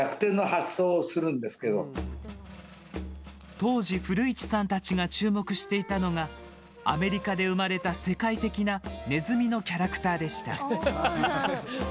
当時、古市さんたちが注目していたのがアメリカで生まれた世界的なネズミのキャラクターでした。